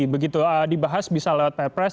begitu dibahas bisa lewat perpres